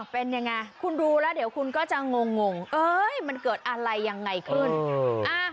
เป็นยังไงคุณดูแล้วเดี๋ยวคุณก็จะงงเอ้ยมันเกิดอะไรยังไงขึ้น